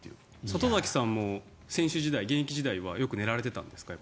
里崎さんも現役時代はよく寝られてたんですか？